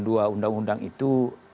dua undang undang itu